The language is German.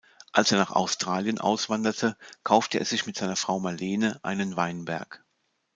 Als er nach Australien auswanderte, kaufte er sich mit seiner Frau Marlene einen Weinberg.